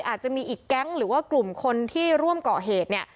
อาจจะมีอีกแก๊งหรือว่ากลุ่มคนที่ร่วมก่อเหตุเนี่ย